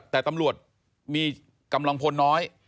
แต่ตำรวจมีกำลังพลน้อย